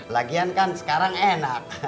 lagian kan sekarang enak